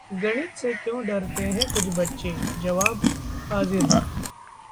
गणित से क्यों डरते हैं कुछ बच्चे? जवाब हाजिर है